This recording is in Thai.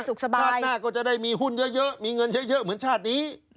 ชาติหน้าก็จะได้มีหุ้นเยอะมีเงินเยอะเหมือนชาตินี้